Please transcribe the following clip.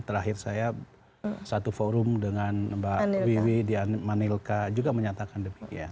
terakhir saya satu forum dengan mbak wiwi di manilka juga menyatakan demikian